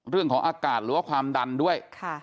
เรื่องของอากาศหรือว่าความดันด้วย